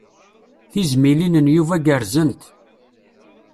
Tizmilin n Yuba gerrzent.